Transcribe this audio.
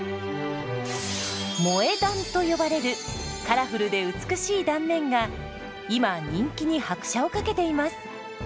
「萌え断」と呼ばれるカラフルで美しい断面が今人気に拍車をかけています。